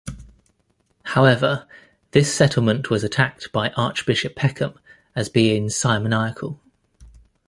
However, this settlement was attacked by Archbishop Peckham as being simoniacal.